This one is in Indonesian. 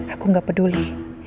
aku gak peduli